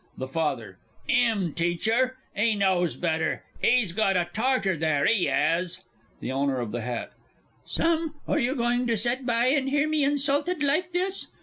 THE FATHER. 'Im teach her! 'E knows better. 'E's got a Tartar there, 'e 'as! THE OWNER OF THE HAT. Sam, are you going to set by and hear me insulted like this?